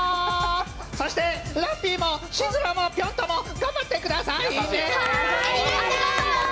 そしてラッピーもシズラもぴょん兎も頑張ってくださいね。